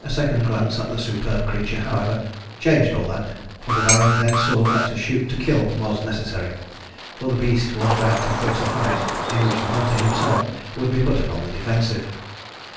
A second glance at the superb creature, however, changed all that, for the Baron then saw that to shoot to kill was necessary, for the beast was about to force a fight in which the hunter himself would be put upon the defensive.